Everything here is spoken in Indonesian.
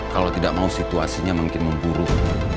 kalau tidak mau situasinya mungkin memburuk